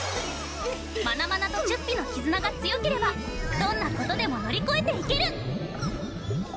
「マナマナとチュッピの絆が強ければどんなことでも乗り越えていける！」。